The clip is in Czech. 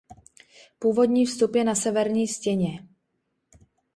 Původní vstup je na severní stěně.